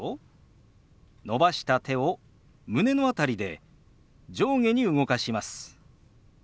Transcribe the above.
伸ばした手を胸の辺りで上下に動かします。